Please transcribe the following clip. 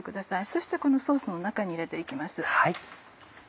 そしてこのソースの中に入れて行きます。